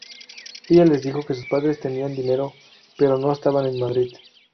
Ella les dijo que sus padres tenían dinero pero no estaban en Madrid.